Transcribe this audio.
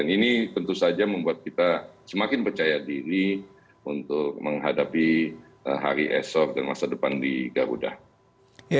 ini tentu saja membuat kita semakin percaya diri untuk menghadapi hari esok dan masa depan di garuda